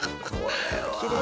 きれいに。